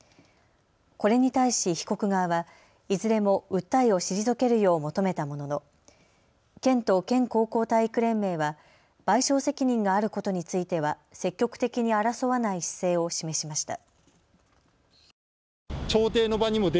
これに対し被告側はいずれも訴えを退けるよう求めたものの県と県高校体育連盟は賠償責任があることについては積極的に争わない姿勢を示しました。